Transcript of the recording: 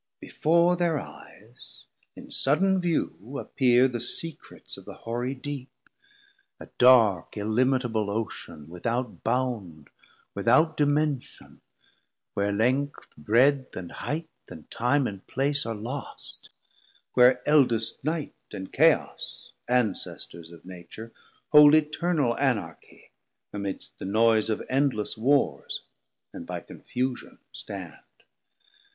Before thir eyes in sudden view appear 890 The secrets of the hoarie deep, a dark Illimitable Ocean without bound, Without dimension, where length, breadth, and highth, And time and place are lost; where eldest Night And Chaos, Ancestors of Nature, hold Eternal Anarchie, amidst the noise Of endless warrs and by confusion stand.